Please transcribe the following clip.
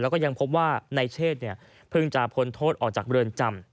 แล้วก็ยังพบว่านายเชษเพิ่งจะพ้นโทษออกจากเรือนจำ